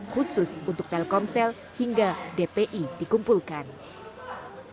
khusus untuk telkomsel hingga dpi dikumpulkan